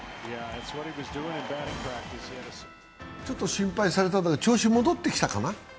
ちょっと心配されたんだけど、調子戻ってきたかな？